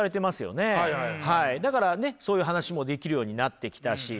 だからねそういう話もできるようになってきたし。